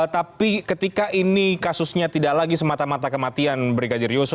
tapi ketika ini kasusnya tidak lagi semata mata kematian brigadir yosua